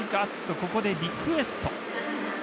ここで、リクエスト。